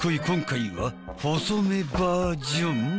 今回は細めバージョン？